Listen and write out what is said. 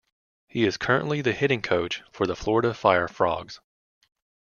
He is currently the hitting coach for the Florida Fire Frogs.